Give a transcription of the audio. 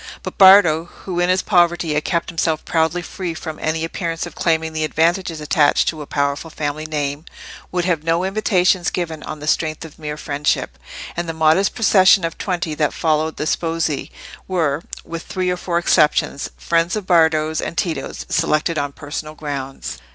But Bardo, who in his poverty had kept himself proudly free from any appearance of claiming the advantages attached to a powerful family name, would have no invitations given on the strength of mere friendship; and the modest procession of twenty that followed the sposi were, with three or four exceptions, friends of Bardo's and Tito's selected on personal grounds.